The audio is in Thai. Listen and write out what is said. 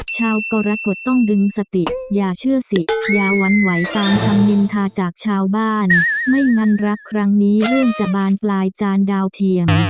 กรกฎต้องดึงสติอย่าเชื่อสิอย่าหวั่นไหวตามคำนินทาจากชาวบ้านไม่งั้นรักครั้งนี้เริ่มจะบานปลายจานดาวเทียม